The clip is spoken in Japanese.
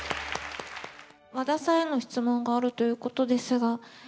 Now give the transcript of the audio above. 和田さんへの質問があるということですが。